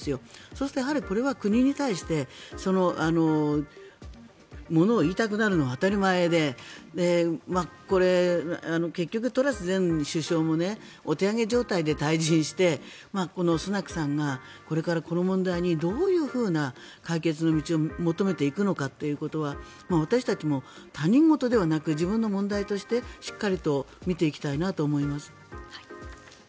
そうするとこれは国に対して物を言いたくなるのは当たり前でこれ、結局トラス前首相もお手上げ状態で退陣してこのスナクさんがこれからこの問題にどういうふうな解決の道を求めていくのかということは私たちも他人事ではなく自分の問題としてしっかり見ていきたいと思います。